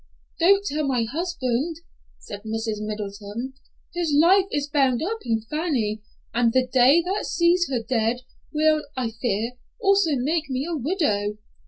"Don't tell my husband," said Mrs. Middleton, "his life is bound up in Fanny, and the day that sees her dead will, I fear, also make me a widow."